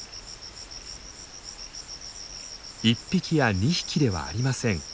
１匹や２匹ではありません。